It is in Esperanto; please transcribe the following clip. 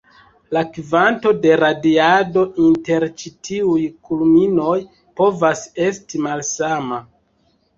La kvanto de radiado inter ĉi tiuj kulminoj povas esti malsama.